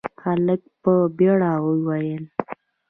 هلک په بيړه وويل: